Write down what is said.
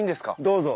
どうぞ。